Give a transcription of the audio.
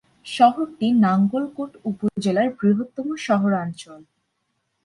শহরটি নাঙ্গলকোট উপজেলার বৃহত্তম শহরাঞ্চল।